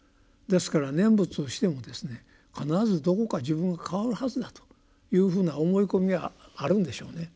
ですから念仏をしてもですね必ずどこか自分が変わるはずだというふうな思い込みがあるんでしょうね。